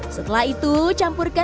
setelah itu campurkan